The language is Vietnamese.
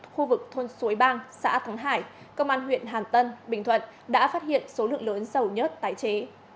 khu vực thôn suối bang xã thắng hải công an huyện hàn tân bình thuận đã phát hiện số lượng lớn dầu nhất tái chế